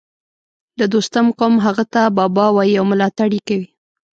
د دوستم قوم هغه ته بابا وايي او ملاتړ یې کوي